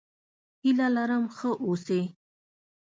هيله لرم ښه اوسې!